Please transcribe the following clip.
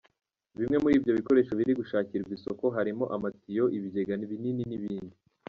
Bimwe muri ibyo bikoresho biri gushakirwa isoko harimo amatiyo, ibigega binini n’ibindi.